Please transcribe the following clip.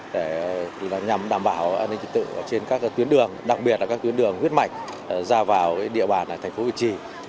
để nhằm đảm bảo an ninh trật tự trên các tuyến đường đặc biệt là các tuyến đường huyết mạch ra vào địa bàn thành phố việt trì